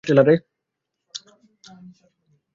আমি বাচ্চাটাকে জীবিত চাই।